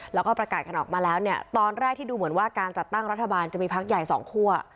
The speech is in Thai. แล้วก็ประกาศกันออกมาแล้วเนี่ยตอนแรกที่ดูเหมือนว่าการจัดตั้งรัฐบาลจะมีพักใหญ่สองคั่ว